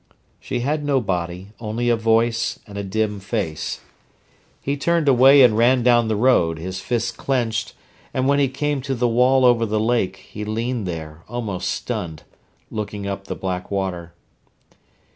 She had no body, only a voice and a dim face. He turned away and ran down the road, his fists clenched; and when he came to the wall over the lake he leaned there, almost stunned, looking up the black water.